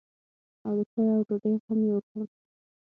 او د چايو او ډوډۍ غم يې وکړم.